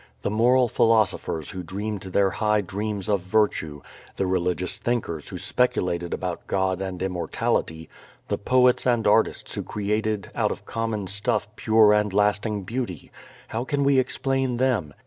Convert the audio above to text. The moral philosophers who dreamed their high dreams of virtue, the religious thinkers who speculated about God and immortality, the poets and artists who created out of common stuff pure and lasting beauty: how can we explain them?